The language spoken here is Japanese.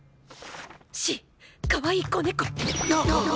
Ｃかわいい子猫。